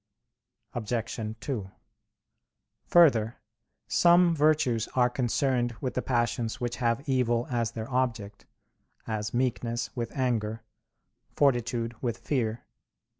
Obj. 2: Further, some virtues are concerned with the passions which have evil as their object; as meekness with anger; fortitude with fear.